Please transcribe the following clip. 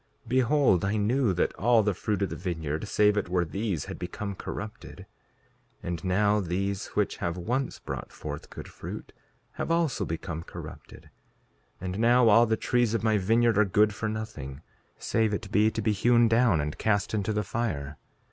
5:42 Behold, I knew that all the fruit of the vineyard, save it were these, had become corrupted. And now these which have once brought forth good fruit have also become corrupted; and now all the trees of my vineyard are good for nothing save it be to be hewn down and cast into the fire.